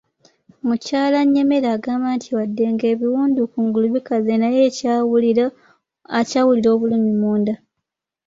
Mukyala Nyemera agamba nti wadde ng'ebiwundu ku nguli bikaze naye akyawulira obulumi munda.